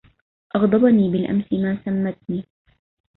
أغضبني بالأمس ما سمتني